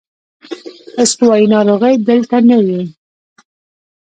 استوايي ناروغۍ دلته نه وې.